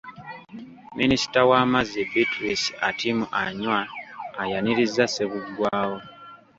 Minisita w'amazzi Beatrice Atim Anywar ayanirizza Ssebuggwawo.